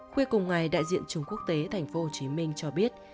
cuối cùng ngày đại diện trường quốc tế thành phố hồ chí minh cho biết